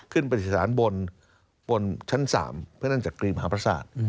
ขึ้นไปถิศาลบนชั้น๓เพื่อนั่นจากกรีมหาพระศาสตร์